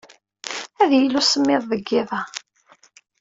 Ad yili usemmiḍ deg yiḍ-a.